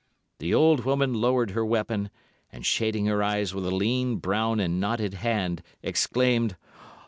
The old woman lowered her weapon, and shading her eyes with a lean, brown, and knotted hand, exclaimed.